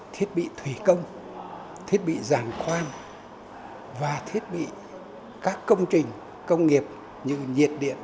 thiết bị thủy công thiết bị giàn khoan và thiết bị các công trình công nghiệp như nhiệt điện